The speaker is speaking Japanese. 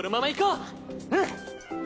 うん！